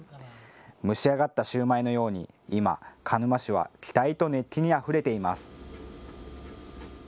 蒸し上がったシューマイのように今、鹿沼市は期待と熱気にあふれています。